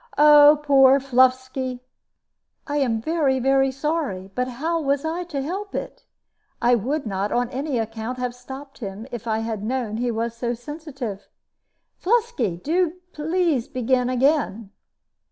Oh, poor Fluffsky!" "I am very, very sorry. But how was I to help it? I would not, on any account, have stopped him if I had known he was so sensitive. Fluffsky, do please to begin again."